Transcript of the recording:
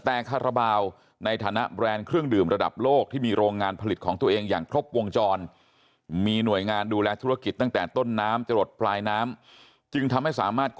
แต่คาราบาลในฐานะแบรนด์เครื่องดื่มระดับโลกที่มีโรงงานผลิตของตัวเองอย่างครบวงจร